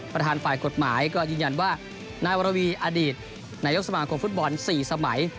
ประธานฝ่ายกฎหมายก็ยืนยันว่านายวรวีอดีตนายกสมาคมฟุตบอล๔สมัย